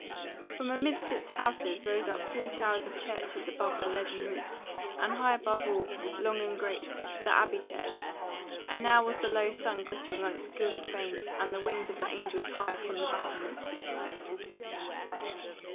From amidst its houses rose up three towers of churches above their leaden roofs, and high above all, long and great, the Abbey Church; and now was the low sun glittering on its gilded vanes and the wings of the angels high upon the battlements.